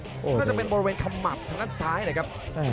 ก็จะเป็นบริเวณขมับทางด้านซ้ายเลยครับ